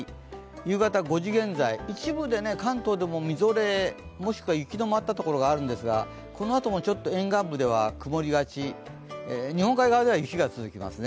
夕方５時現在、一部で関東でもみぞれ、もしくは雪の舞ったところがあるんですがこのあともちょっと沿岸部では曇りがち、日本海側では雪が続きますね。